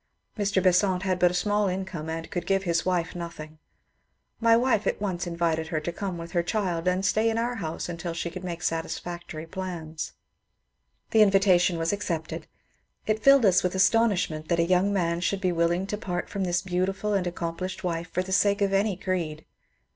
Mr. Besant had but a small income, and could give his wife nothing. My wife at once invited her to come with her child and 9tay in our house until she could make satisfactory plans. The invitation was accepted. It filled us with astonishment that a young man should be willing to part from this beautiful and accomplished wife for the sake of any creed.